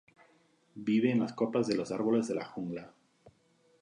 Vive en las copas de los árboles de la jungla.